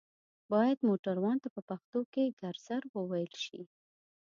بايد موټروان ته په پښتو کې ګرځر ووئيل شي